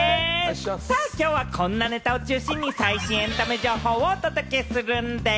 さぁ、きょうはこんなネタを中心に最新エンタメ情報をお届けするんです。